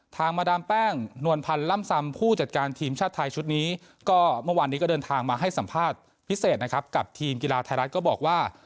มาดามแป้งนวลพันธ์ล่ำซำผู้จัดการทีมชาติไทยชุดนี้ก็เมื่อวานนี้ก็เดินทางมาให้สัมภาษณ์พิเศษนะครับกับทีมกีฬาไทยรัฐก็บอกว่า